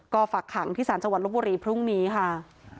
ก็ฝากขังที่ศาลจังหวัดลบบุรีพรุ่งนี้ค่ะ